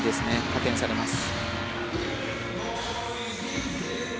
加点されます。